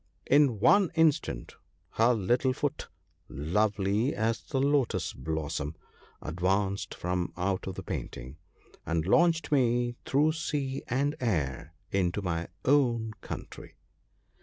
In one instant her little foot, lovely as the lotus blossom, advanced from out of the painting, and launched me through sea and air into my own country.